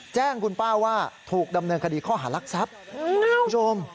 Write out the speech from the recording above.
แจ้งคุณป้าว่าถูกดำเนินคดีข้อหารักทรัพย์คุณผู้ชม